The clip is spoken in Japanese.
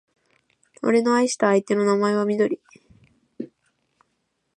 俺の愛した相手の名前はみどり